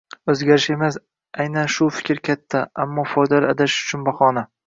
o’zgarish emas. Aynan shu fikr katta, ammo foydali adashish uchun bahona.